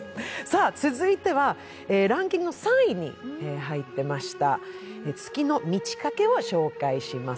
続いてはランキングの３位に入っていました、「月の満ち欠け」を紹介します。